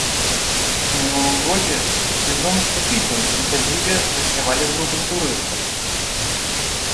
У мінулым годзе ў сезон штотыдзень на сядзібе гасцявалі групы турыстаў.